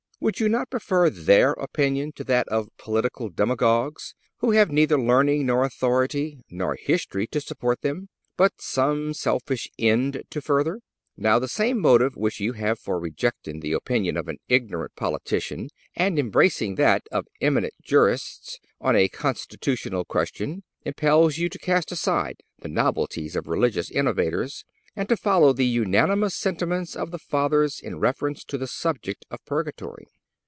Would you not prefer their opinion to that of political demagogues, who have neither learning, nor authority, nor history to support them, but some selfish end to further? Now, the same motive which you have for rejecting the opinion of an ignorant politician and embracing that of eminent jurists, on a constitutional question, impels you to cast aside the novelties of religious innovators and to follow the unanimous sentiments of the Fathers in reference to the subject of purgatory.